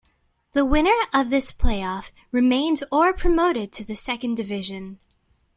The winner of this play-off remained or promoted to the second division.